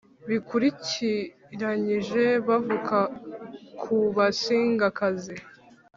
bikurikiranyije bavuka ku basingakazi.